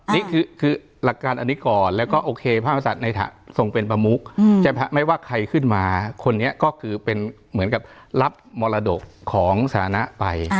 นี่คือหลักการอันนี้ก่อนแล้วก็โอเคพระกษัตริย์ในทรงเป็นประมุกใช่ไหมไม่ว่าใครขึ้นมาคนนี้ก็คือเป็นเหมือนกับรับมรดกของสถานะไป